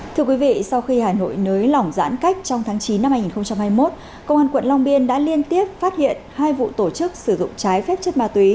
thưa quý vị sau khi hà nội nới lỏng giãn cách trong tháng chín năm hai nghìn hai mươi một công an quận long biên đã liên tiếp phát hiện hai vụ tổ chức sử dụng trái phép chất ma túy